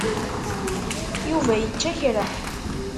Yuba yečča kra.